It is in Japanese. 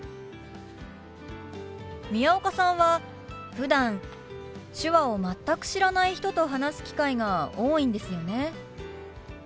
宮岡さんはふだん手話を全く知らない人と話す機会が多いんですよね。